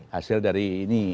hasil dari ini